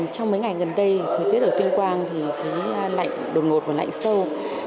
trong mấy ngày gần đây thời tiết ở tuyên quang thì thấy lạnh đột ngột và lạnh sâu